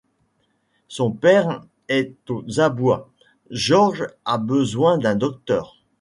Son père est aux abois, George a besoin d'un Docteur.